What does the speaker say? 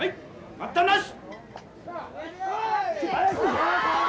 待ったなし！